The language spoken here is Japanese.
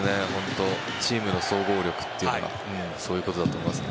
チームの総合力というのがそういうことだと思いますね。